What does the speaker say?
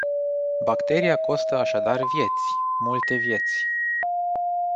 Bacteria costă așadar vieți, multe vieți.